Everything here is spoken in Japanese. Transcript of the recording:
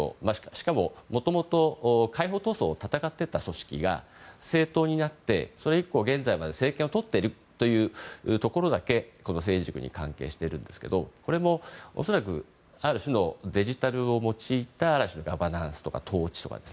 しかも、もともと解放闘争を戦っていた組織が政党になってそれ以降、現在まで政権を取っているところだけこの政治塾に関係しているんですがこれも、恐らくある種のデジタルを用いたガバナンスとか統治とか。